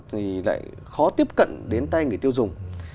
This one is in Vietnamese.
thì lại khó tiếp cận đến tay người tiêu dùng